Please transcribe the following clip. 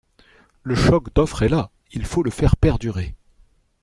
Le choc d’offre est là ; il faut le faire perdurer.